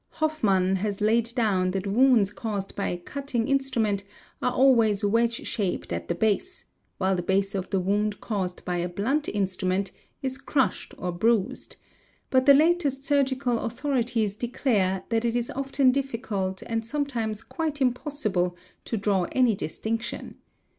Hofmann has laid down that wounds caused by a cutting instrument are always wedge shaped at the base, while the base of the wound caused by a blunt instrument is crushed or bruised; but the latest surgical authorities declare that it is often difficult and sometimes quite impossible to draw any distinction.